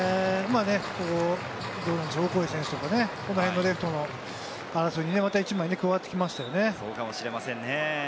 オコエ選手とか、レフトの争いにまた１枚、加わってきましたね。